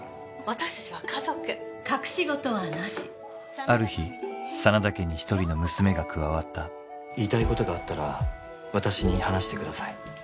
私達は家族隠しごとはなしある日真田家に一人の娘が加わった言いたいことがあったら私に話してください